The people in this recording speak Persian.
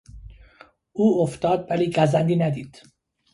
او افتاد ولی گزندی ندید.